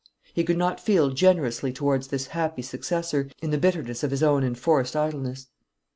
He could not feel generously towards this happy successor, in the bitterness of his own enforced idleness.